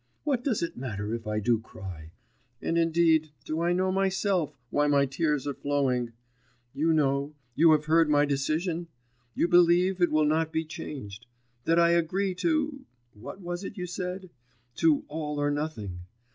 What does it matter if I do cry! And indeed do I know myself why my tears are flowing? You know, you have heard my decision, you believe it will not be changed. That I agree to ... What was it you said?... to all or nothing